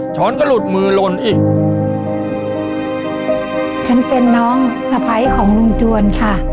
ฉันเป็นน้องสะไภของลุงจวนค่ะ